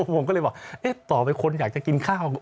ผมก็เลยบอกต่อไปคนอยากจะกินข้าว